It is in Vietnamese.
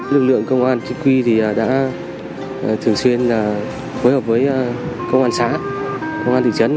lực lượng công an chính quy đã thường xuyên phối hợp với công an xã công an thị trấn